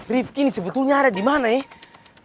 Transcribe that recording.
rifki ini sebetulnya ada di mana ya